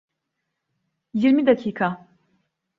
Yirmi dakika.